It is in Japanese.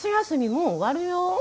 もう終わるよ。